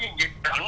hay đi làm về